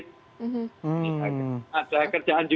ada kerjaan juga maka maka itu itu itu